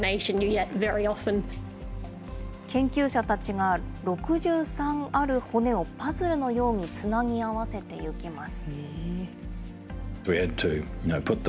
研究者たちが、６３ある骨をパズルのようにつなぎ合わせていきます。